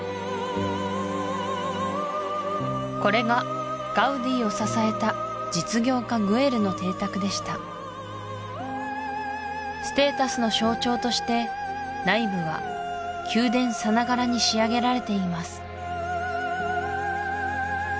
これがガウディを支えた実業家グエルの邸宅でしたステータスの象徴として内部は宮殿さながらに仕上げられています